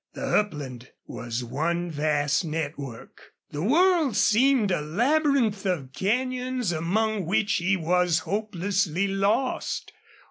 The upland was one vast network. The world seemed a labyrinth of canyons among which he was hopelessly lost.